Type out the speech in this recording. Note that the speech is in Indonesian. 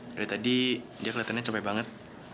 dari tadi dia keliatannya capek banget